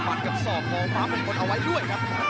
มันกับส่องของฟ้าบุคคลเอาไว้ด้วยครับ